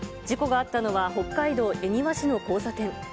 事故があったのは、北海道恵庭市の交差点。